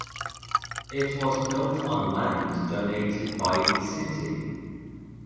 It was built on land donated by the city.